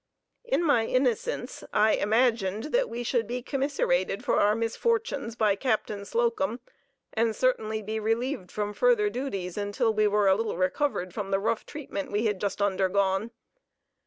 In my innocence I imagined that we should be commiserated for our misfortunes by Captain Slocum, and certainly be relieved from further duties until we were a little recovered from the rough treatment we had just undergone.